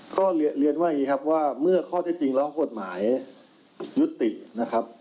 ก็เรียนว่าอย่างนี้ครับว่าเมื่อข้อเท็จจริงแล้วกฎหมายยุตินะครับ